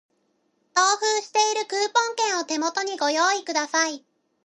同封しているクーポン券を手元にご用意ください